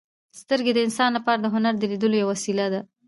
• سترګې د انسان لپاره د هنر د لیدلو یوه وسیله ده.